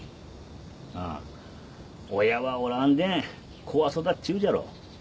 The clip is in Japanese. あっ親はおらんでん子は育っち言うじゃろ。